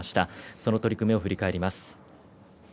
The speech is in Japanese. その取組を振り返ります。